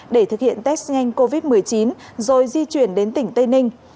để thực hiện test nhanh covid một mươi chín rồi di chuyển đến tỉnh tây ninh